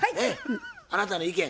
あなたの意見